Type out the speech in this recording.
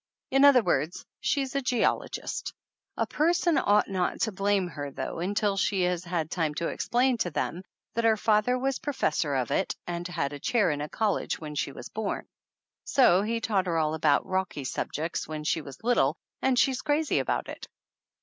In other words, she is a geologist. A person ought not to blame her though until she has had time to explain to them that her father was professor of it and had a chair in a college when she was born. So he taught her all about rocky subjects when she was little, and she's crazy about it.